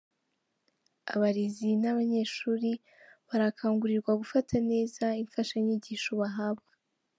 Abarezi n’abanyeshuri barakangurirwa gufata neza infashanyigisho bahabwa.